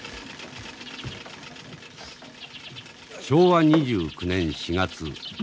昭和２９年４月。